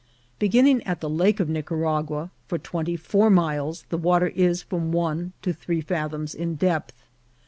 Begin ing at the Lake of Nicaragua, for twenty four miles the water is from one to three fathoms in depth.